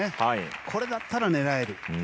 これだったら狙える。